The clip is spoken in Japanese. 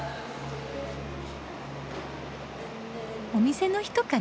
お店の人かな？